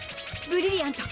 ブリリアント！